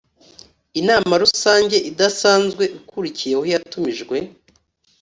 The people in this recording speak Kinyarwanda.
inama rusange idasanzwe ikurikiyeho yatumijwe